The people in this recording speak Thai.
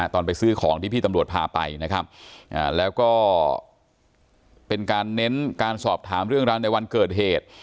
ตอนไปซื้อของที่พี่ตำรวจพาไปนะครับแล้วก็เป็นการเน้นการสอบถามเรื่องราวในวันเกิดเหตุ